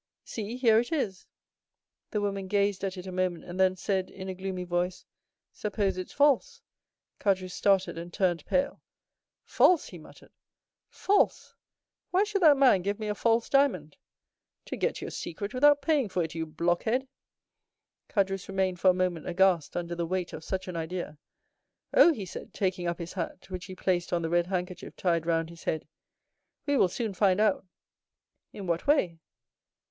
See, here it is." The woman gazed at it a moment, and then said, in a gloomy voice, "Suppose it's false?" Caderousse started and turned pale. "False!" he muttered. "False! Why should that man give me a false diamond?" 0349m "To get your secret without paying for it, you blockhead!" Caderousse remained for a moment aghast under the weight of such an idea. "Oh!" he said, taking up his hat, which he placed on the red handkerchief tied round his head, "we will soon find out." "In what way?"